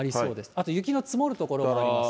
あと雪の積もる所があります。